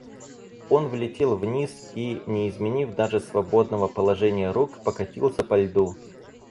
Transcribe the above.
Он влетел вниз и, не изменив даже свободного положения рук, покатился по льду.